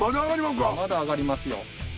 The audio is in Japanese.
まだあがりますよ。